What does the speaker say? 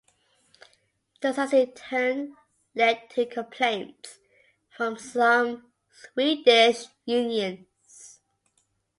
This has in turn led to complaints from some Swedish unions.